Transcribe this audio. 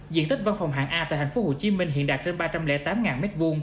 diện tích văn phòng hạng a tại thành phố hồ chí minh hiện đạt trên ba trăm linh tám m hai